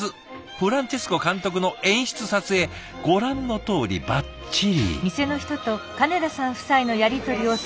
フランチェスコ監督の演出撮影ご覧のとおりバッチリ。